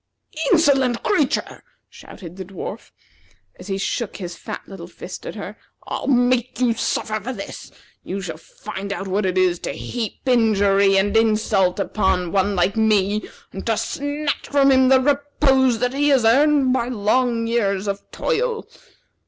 "Insolent creature!" shouted the dwarf, as he shook his fat little fist at her. "I'll make you suffer for this. You shall find out what it is to heap injury and insult upon one like me, and to snatch from him the repose that he has earned by long years of toil."